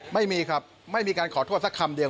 ไม่มีครับไม่มีการขอโทษสักคำเดียว